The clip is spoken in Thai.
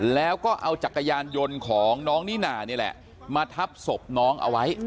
แล้วก็เอาจักรยานยนต์ของน้องนิน่านี่แหละมาทับศพน้องเอาไว้